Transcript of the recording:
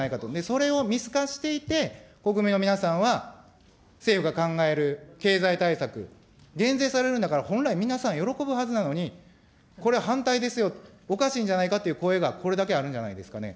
それを見透かしていて、国民の皆さんは、政府が考える経済対策、減税されるんだから本来、皆さん、喜ぶはずなのに、これ、反対ですよ、おかしいんじゃないかっていう声が、これだけあるんじゃないですかね。